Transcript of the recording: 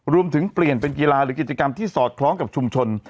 รวมถึงเปลี่ยนเป็นกีฬาหรือกิจกรรมที่สอดคล้องกับชุมชน